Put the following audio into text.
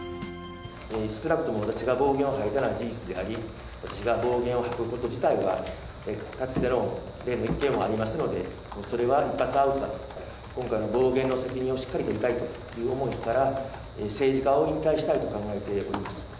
少なくとも私が暴言を吐いたのは事実であり、私が暴言を吐くこと自体は、かつての一件もありますので、それは一発アウトだと、今回の暴言の責任をしっかり取りたいという思いから、政治家を引退したいと考えております。